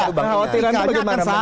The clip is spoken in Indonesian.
nah khawatirannya bagaimana